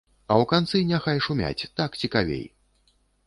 А ў канцы няхай шумяць, так цікавей!